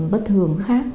bất thường khác